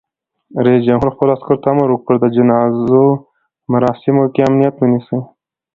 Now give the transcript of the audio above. رئیس جمهور خپلو عسکرو ته امر وکړ؛ د جنازو په مراسمو کې امنیت ونیسئ!